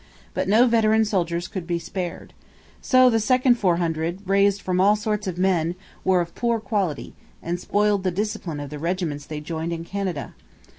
But no veteran soldiers could be spared. So the second four hundred, raised from all sorts of men, were of poor quality, and spoiled the discipline of the regiments they joined in Canada.